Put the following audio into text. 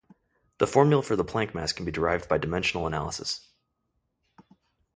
The formula for the Planck mass can be derived by dimensional analysis.